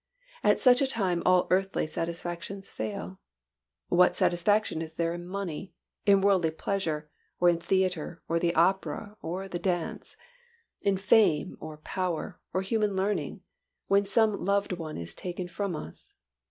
At such a time all earthly satisfactions fail. What satisfaction is there in money, or worldly pleasure, in the theatre or the opera or the dance, in fame or power or human learning, when some loved one is taken from us?